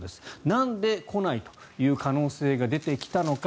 なんで来ないという可能性が出てきたのか。